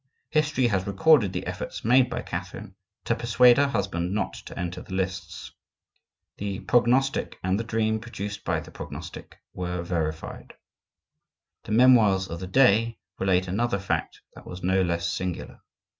History has recorded the efforts made by Catherine to persuade her husband not to enter the lists. The prognostic, and the dream produced by the prognostic, were verified. The memoirs of the day relate another fact that was no less singular.